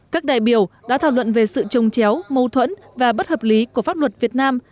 các đại biểu đã thảo luận về sự trồng chéo mâu thuẫn và bất hợp lý của pháp luật việt nam